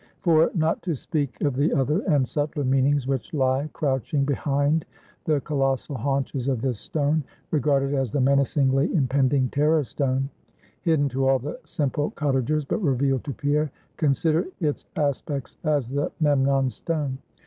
For, not to speak of the other and subtler meanings which lie crouching behind the colossal haunches of this stone, regarded as the menacingly impending Terror Stone hidden to all the simple cottagers, but revealed to Pierre consider its aspects as the Memnon Stone.